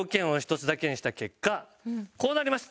こうなりました。